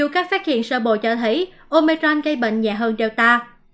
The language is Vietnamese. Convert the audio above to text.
các hiện sơ bồ cho thấy omicron gây bệnh nhẹ hơn delta